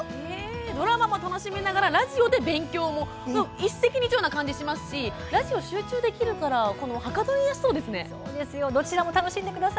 ドラマも楽しみながらラジオで勉強もって一石二鳥ですしラジオだと集中できるからはかどりやすそうですね。